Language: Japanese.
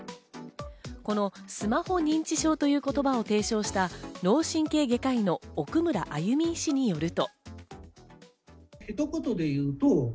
このスマホ認知症という言葉を提唱した脳神経外科医の奥村歩医師によると。